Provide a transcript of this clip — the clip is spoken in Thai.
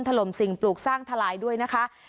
ถล่มสิ่งปลูกสร้างทลายด้วยนะคะ